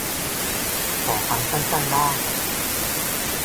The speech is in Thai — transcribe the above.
ขอคำสั้นสั้นบ้าง